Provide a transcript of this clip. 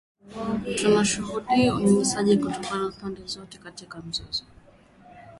Tunashuhudia unyanyasaji kutoka pande zote katika mzozo